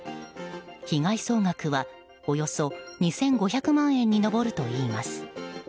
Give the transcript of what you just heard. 被害総額はおよそ２５００万円に上るといいます。